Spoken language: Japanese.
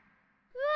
うわ！